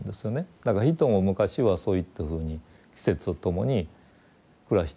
だから人も昔はそういったふうに季節とともに暮らしていたと。